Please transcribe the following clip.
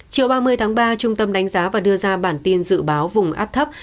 chiều ba mươi tháng ba trung tâm đánh giá và đưa ra bản tin dự báo vùng áp thấp